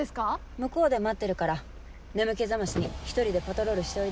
向こうで待ってるから眠気覚ましに１人でパトロールしておいで。